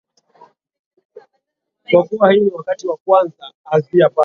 Kwa kuwa hii ni wakati wa kwanza.